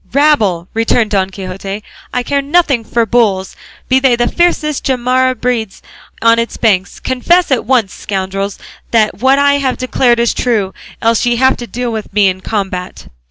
"Rabble!" returned Don Quixote, "I care nothing for bulls, be they the fiercest Jarama breeds on its banks. Confess at once, scoundrels, that what I have declared is true; else ye have to deal with me in combat."